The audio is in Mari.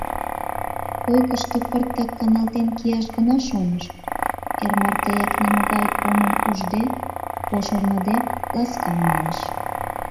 Койкышто пыртак каналтен кияш гына шоныш — эр мартеак, нимогай омым ужде, пошырныде, ласкан малыш.